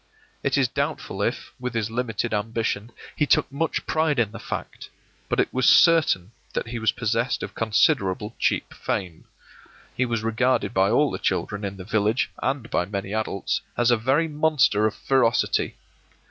It is doubtful if, with his limited ambition, he took much pride in the fact, but it is certain that he was possessed of considerable cheap fame. He was regarded by all the children in the village and by many adults as a very monster of ferocity.